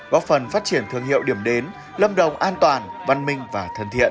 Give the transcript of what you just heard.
góp phần phát triển thương hiệu điểm đến lâm đồng an toàn văn minh và thân thiện